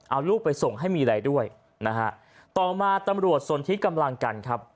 เอาลูกไปส่งให้มีอะไรด้วยนะฮะต่อมาตำรวจสนที่กำลังกันครับ